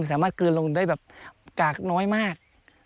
สามารถกลืนลงได้ขากน้อยมาก